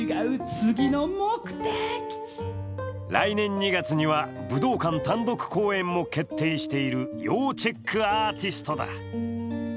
来年２月には武道館単独公演も決定している要チェックアーティストだ。